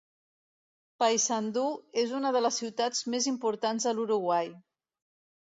Paysandú és una de les ciutats més importants de l'Uruguai.